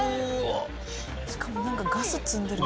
しかもなんかガス積んでる。